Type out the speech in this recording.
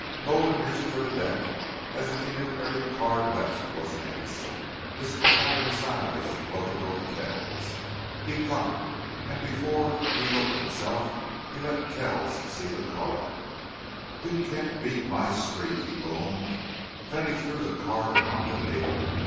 Gulden reached for the deck as if he knew every card left was an ace. His cavernous eyes gloated over Kells. He cut, and before he looked himself he let Kells see the card. "You can't beat my streak!" he boomed. Then he threw the card upon the table.